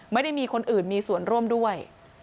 ไม่ได้มีคนอื่นมีส่วนร่วมด้วย